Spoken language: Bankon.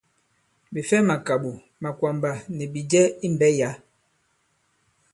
Ɓè fɛ màkàɓò, màkwàmbà nì bìjɛ i mbɛ̌ yǎ.